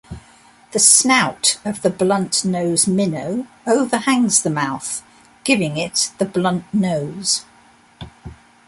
The snout of the bluntnose minnow overhangs the mouth, giving it the bluntnose.